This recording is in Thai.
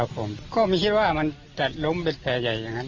ผมก็ไม่คิดว่ามันจะล้มเป็นแผลใหญ่อย่างนั้น